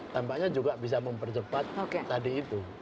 tampaknya juga bisa mempercepat tadi itu